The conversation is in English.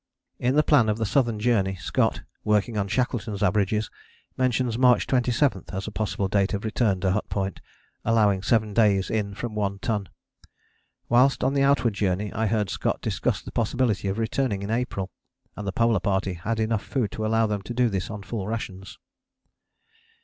In the plan of the Southern Journey Scott, working on Shackleton's averages, mentions March 27 as a possible date of return to Hut Point, allowing seven days in from One Ton. Whilst on the outward journey I heard Scott discuss the possibility of returning in April; and the Polar Party had enough food to allow them to do this on full rations.